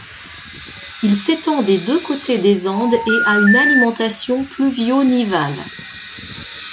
Il s'étend des deux côtés des Andes et a une alimentation pluvio-nivale.